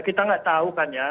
kita nggak tahu kan ya